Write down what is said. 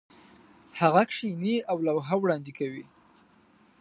هغه کښېني او لوحه وړاندې کوي.